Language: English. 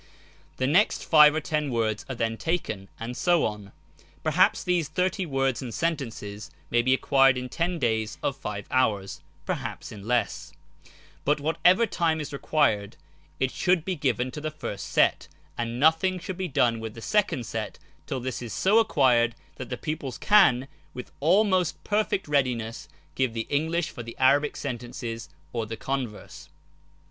The next five or as,,! oy Google ( 5 ) ten words are then taken, and so on. Perhaps these thirty words and sentences may be acquired in ten days of five hours, perhaps in less ; but whatever time is required it should be given to this first set, and nothing should be done with the second set till this is so acquired that the pupils can, with almost perfect readiness, give the English for the Arabic sentences or the converse.